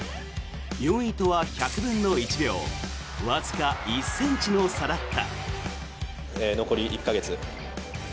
４位とは１００分の１秒わずか１ｃｍの差だった。